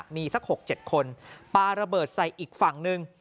มีสัก๖๗คนปลาระเบิดใส่อีกฝั่งหนึ่ง